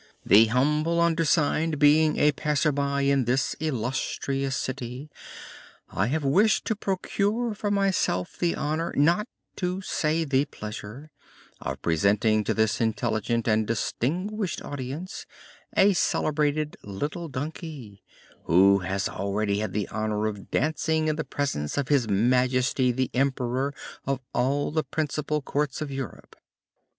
The humble undersigned being a passer by in this illustrious city, I have wished to procure for myself the honor, not to say the pleasure, of presenting to this intelligent and distinguished audience a celebrated little donkey, who has already had the honor of dancing in the presence of His Majesty the Emperor of all the principal courts of Europe.